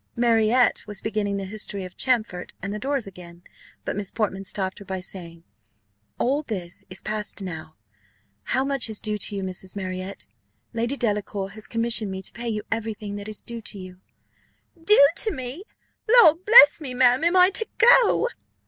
Marriott was beginning the history of Champfort and the doors again; but Miss Portman stopped her by saying, "All this is past now. How much is due to you, Mrs. Marriott? Lady Delacour has commissioned me to pay you every thing that is due to you." "Due to me! Lord bless me, ma'am, am I to go?"